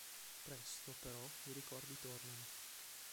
Presto, però, i ricordi tornano.